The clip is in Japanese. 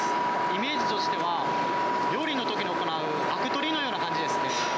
イメージとしては、料理のときに行うあく取りのような感じですね。